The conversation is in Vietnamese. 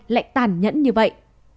lại tàn nhẫn như vậy